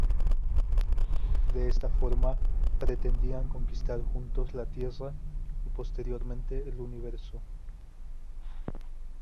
De esta forma, pretendían conquistar juntos la tierra y posteriormente el universo.